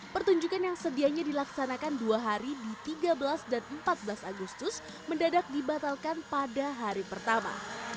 pertunjukan yang sedianya dilaksanakan dua hari di tiga belas dan empat belas agustus mendadak dibatalkan pada hari pertama